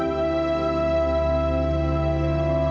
kau punya maksimal dimilih